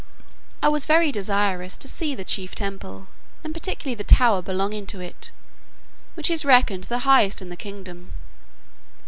I was very desirous to see the chief temple, and particularly the tower belonging to it, which is reckoned the highest in the kingdom.